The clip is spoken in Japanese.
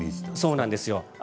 そうなんですよ。